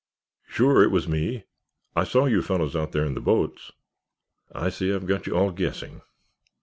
"Sure it was me—I saw you fellows out there in the boats. I see I've got you all guessing."